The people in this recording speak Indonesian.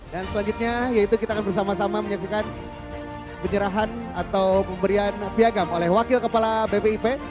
dan selanjutnya yaitu kita akan bersama sama menyaksikan penyerahan atau pemberian piagam oleh wakil kepala bpip